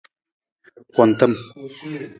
Kuntim.